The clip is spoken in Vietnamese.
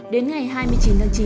đến ngày hai mươi chín tháng chín